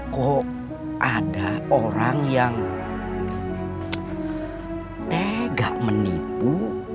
kok ada orang yang tega menipu